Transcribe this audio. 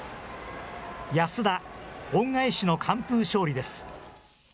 安田、恩返しの完封勝利です。